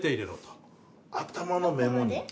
頭のメモに？